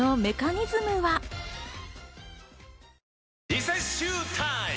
リセッシュータイム！